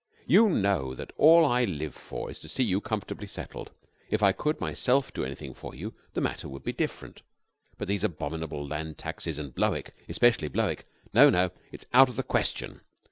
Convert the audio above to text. You know that all I live for is to see you comfortably settled. If I could myself do anything for you, the matter would be different. But these abominable land taxes and Blowick especially Blowick no, no, it's out of the question.